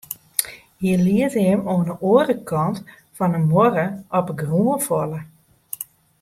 Hy liet him oan 'e oare kant fan de muorre op 'e grûn falle.